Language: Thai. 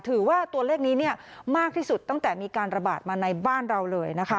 ถือว่าตัวเลขนี้มากที่สุดตั้งแต่มีการระบาดมาในบ้านเราเลยนะคะ